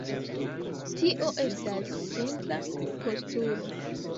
Tio estas simpla postulo.